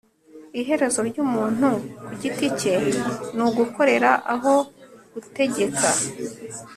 iherezo ry'umuntu ku giti cye ni ugukorera aho gutegeka